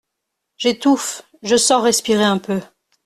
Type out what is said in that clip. J'étouffe, je sors respirer un peu.